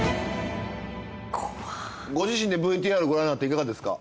ご自身でＶＴＲご覧になっていかがですか？